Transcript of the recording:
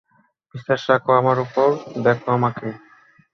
বিশ্বাস রাখো আমার উপর, দেখো আমাকে।